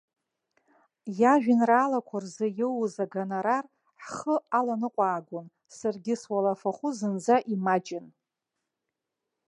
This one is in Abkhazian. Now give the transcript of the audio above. Иажәеинраалақәа рзы иоуаз агонорар ҳхы аланыҟәаагон, саргьы суалафахәы зынӡа имаҷын.